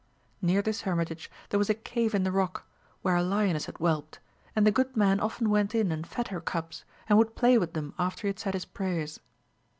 Near this hermitage there was a cave in the rock, where a lioness had whelped, and the good man often went in and fed her cubs, and would play with them after he had said his prayers.